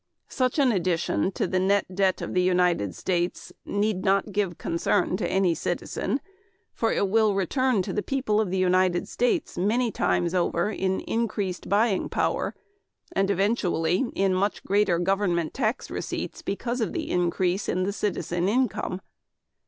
Such an addition to the net debt of the United States need not give concern to any citizen, for it will return to the people of the United States many times over in increased buying power and eventually in much greater government tax receipts because of the increase in the citizen income.